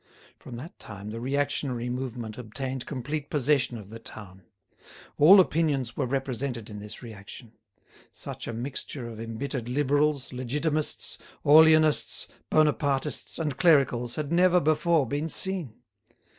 From that time the reactionary movement obtained complete possession of the town. All opinions were represented in this reaction; such a mixture of embittered Liberals, Legitimists, Orleanists, Bonapartists, and Clericals had never before been seen.